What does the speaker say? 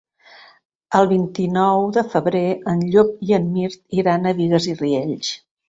El vint-i-nou de febrer en Llop i en Mirt iran a Bigues i Riells.